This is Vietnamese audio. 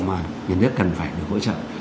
mà nhà nước cần phải được hỗ trợ